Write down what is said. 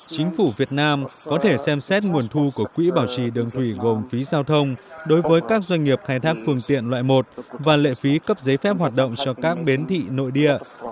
chính phủ việt nam có thể xem xét nguồn thu của quỹ bảo trì đường thủy gồm phí giao thông đối với các doanh nghiệp khai thác phương tiện loại một và lệ phí cấp giấy phép hoạt động cho các bến thị nội địa